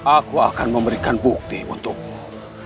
aku akan memberikan bukti untukmu